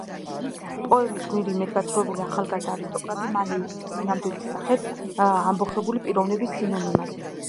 პოემის გმირი, იმედგაცრუებული ახალგაზრდა არისტოკრატი, მალე იქცა სინამდვილის წინააღმდეგ ამბოხებული პიროვნების სინონიმად.